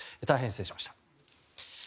大変失礼しました。